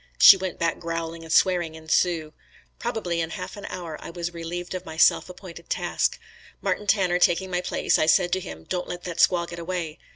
She went back growling and swearing in Sioux. Probably in half an hour I was relieved of my self appointed task. Martin Tanner taking my place, I said to him, "Don't let that squaw get away."